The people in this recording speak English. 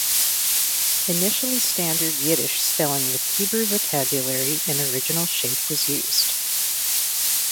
Initially standard Yiddish spelling with Hebrew vocabulary in original shape was used.